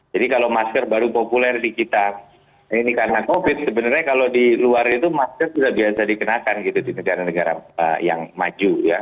jadi kalau masker baru populer di kita ini karena covid sebenarnya kalau di luar itu masker sudah biasa dikenakan gitu di negara negara yang maju ya